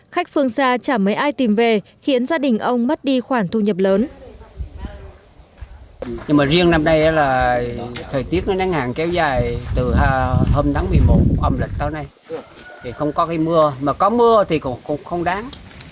khách phương xa chả mấy ai tìm về khiến gia đình ông mất đi khoản thu nhập lớn